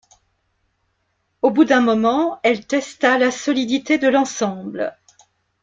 Au bout d’un moment, elle testa la solidité de l’ensemble.